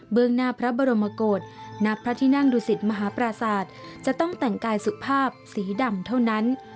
หน้าพระบรมกฏณพระที่นั่งดุสิตมหาปราศาสตร์จะต้องแต่งกายสุภาพสีดำเท่านั้น